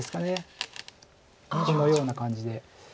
このような感じで。